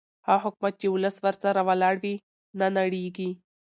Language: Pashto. هغه حکومت چې ولس ورسره ولاړ وي نه نړېږي